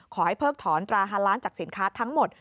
เพิกถอนตราฮาล้านจากสินค้าทั้งหมด